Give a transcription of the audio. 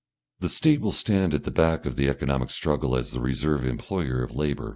The State will stand at the back of the economic struggle as the reserve employer of labour.